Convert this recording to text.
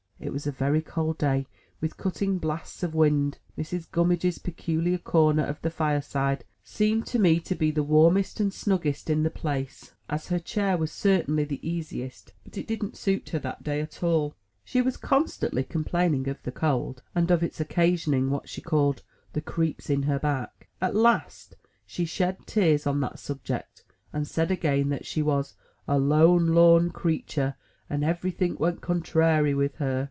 It was a very cold day, with cutting blasts of wind. Mrs. Gummidge's peculiar comer of the fireside seemed to me to be the warmest and snuggest in the place, as her chair was certainly the easiest, but it didn't suit her that day at all. She was con stantly complaining of the cold, and of its occasioning what she called "the creeps in her back." At last she shed tears on that subject, and said again that she was "a lone lorn creetur' and every think went contrairy with her."